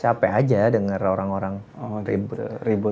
capek aja denger orang orang ribut